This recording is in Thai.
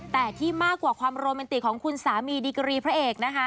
แต่ที่มากกว่าความโรแมนติกของคุณสามีดีกรีพระเอกนะคะ